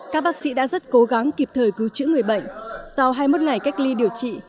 các bác sĩ đã rất cố gắng kịp thời cứu chữa người bệnh sau hai mươi một ngày cách ly điều trị